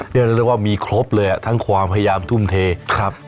เรียกว่ามีครบเลยอ่ะทั้งความพยายามทุ่มเทครับ